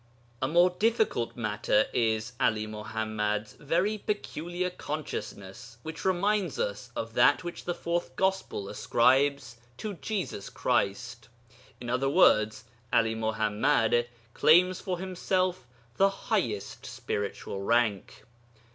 A more difficult matter is 'Ali Muḥammad's very peculiar consciousness, which reminds us of that which the Fourth Gospel ascribes to Jesus Christ. In other words, 'Ali Muḥammad claims for himself the highest spiritual rank.